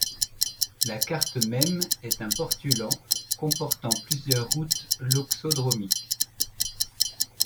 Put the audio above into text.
La carte même est un portulan comportant plusieurs routes loxodromiques.